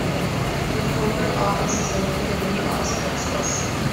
The corporate office is located in Dallas, Texas.